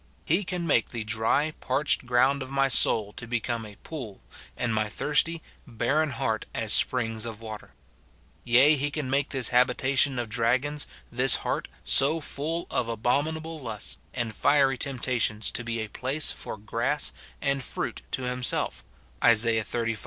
He can make the 'dry, parched ground of my soul to become a pool, and my thirsty, barren heart as springs of water ;' yea, he can make this 'habitation of dragons,' this heart, so full of abominable lusts and fiery temptations, to be a place for ' grass' and fruit to himself," Isa. xxxv.